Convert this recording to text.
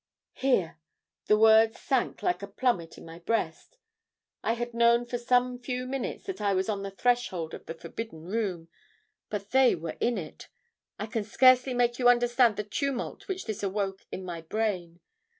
"Here! The word sank like a plummet in my breast. I had known for some few minutes that I was on the threshold of the forbidden room; but they were in it. I can scarcely make you understand the tumult which this awoke in my brain.